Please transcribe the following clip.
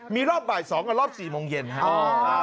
มีรอบบ่าย๒กับรอบ๔โมงเย็นครับ